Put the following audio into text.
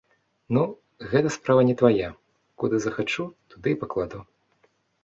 Ну, гэта справа не твая, куды захачу, туды і пакладу.